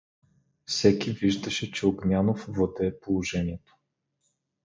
Всеки виждаше, че Огнянов владее положението.